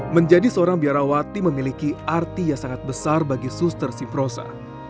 menjadi seorang biarawati memiliki arti yang sangat besar bagi suster simprosa